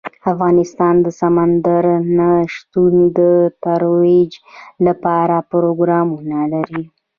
افغانستان د سمندر نه شتون د ترویج لپاره پروګرامونه لري.